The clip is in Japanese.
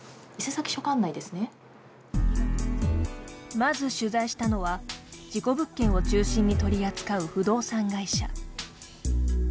まず取材したのは、事故物件を中心に取り扱う不動産会社。